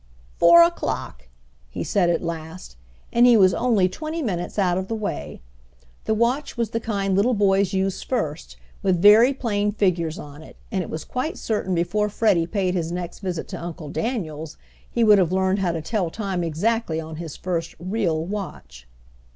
"Four o'clock!" he said at last, and he was only twenty minutes out of the way. The watch was the kind little boys use first, with very plain figures on it, and it was quite certain before Freddie paid his next visit to Uncle Daniel's he would have learned how to tell time exactly on his first "real" watch.